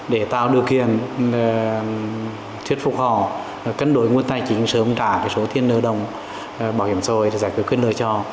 để tạo điều kiện thuyết phục họ cân đối nguồn tài chính sớm trả số tiền nợ đồng bảo hiểm xã hội để giải quyết quyền lợi cho họ